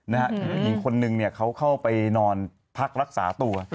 หญิงคนนึงเขาเข้าไปนอนพักรักษาตัว